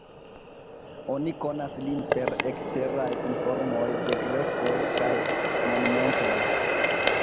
Oni konas lin per eksteraj informoj de grekoj kaj monumentoj.